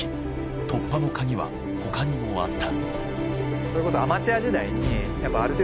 突破の鍵は他にもあった。